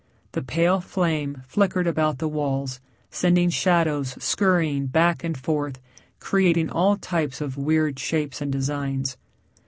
The pale flame flickered about the walls sending shadows scurrying back and forth creating all types of weird shapes and designs.